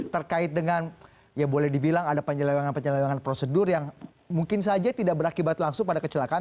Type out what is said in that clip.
terkait dengan ya boleh dibilang ada penyelewangan penyelewengan prosedur yang mungkin saja tidak berakibat langsung pada kecelakaan